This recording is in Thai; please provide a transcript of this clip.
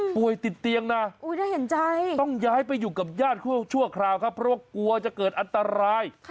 ป่วยติดเตียงนะน่าเห็นใจต้องย้ายไปอยู่กับญาติชั่วคราวครับเพราะว่ากลัวจะเกิดอันตราย